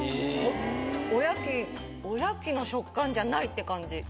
おやきの食感じゃないって感じ。